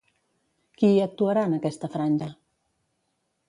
Qui hi actuarà, en aquesta franja?